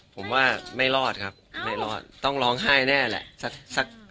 ผมว่าไม่รอดครับไม่รอดต้องร้องไห้แน่แหละสัก